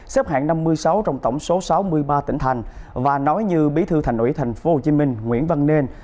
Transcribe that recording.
xếp hạng năm mươi sáu trong tổng số sáu mươi ba tỉnh thành và nói như bí thư thành ủy thành phố hồ chí minh nguyễn văn linh